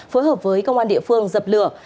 phối hợp với công an địa phương dập lửa